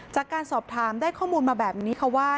จากการสอบถามได้ข้อมูลมาแบบนี้ค่ะว่า